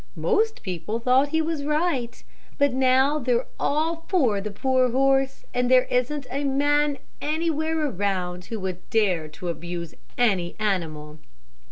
Most people thought he was right, but now they're all for the poor horse and there isn't a man anywhere around who would dare to abuse any animal.